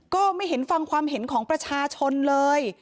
ก็ไม่เห็นฟังความเห็นของประชาชนเลย